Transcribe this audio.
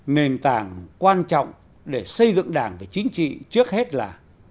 nền tảng quan trọng để xây dựng đảng về chính trị trước hết là